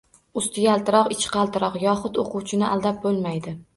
Usti yaltiroq ichi qaltiroq yohud o'quvchini aldab bo'lmaydi.